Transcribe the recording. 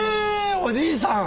おじいさん！